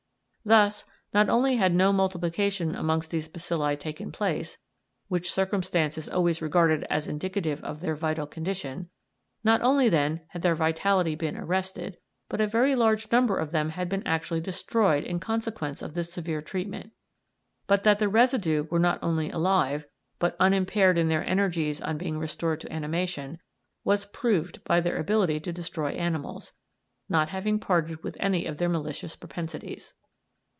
Thus not only had no multiplication amongst these bacilli taken place, which circumstance is always regarded as indicative of their vital condition not only, then, had their vitality been arrested but a very large number of them had been actually destroyed in consequence of this severe treatment; but that the residue were not only alive, but unimpaired in their energies on being restored to animation, was proved by their being able to destroy animals, not having parted with any of their malicious propensities.